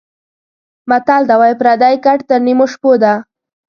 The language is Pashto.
متل ده:واى پردى ګټ تر نيمو شپو ده.